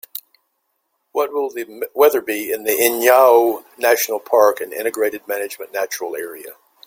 What will the weather be in the Iñao National Park and Integrated Management Natural Area?